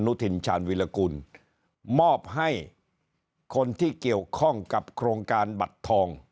ทินชาญวิรากุลมอบให้คนที่เกี่ยวข้องกับโครงการบัตรทอง